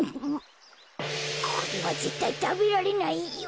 これはぜったいたべられないよ。